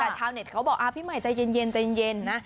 ชาวเน็ตเขาบอกพี่หมายใจเย็นนะ